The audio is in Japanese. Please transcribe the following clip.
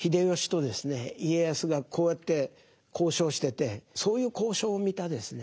家康がこうやって交渉しててそういう交渉を見たですね